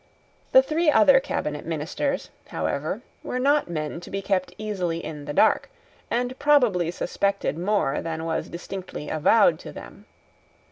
The three other cabinet ministers, however, were not men to be kept easily in the dark, and probably suspected more than was distinctly avowed to them.